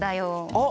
あっ！